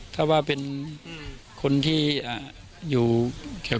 แล้วอันนี้ก็เปิดแล้ว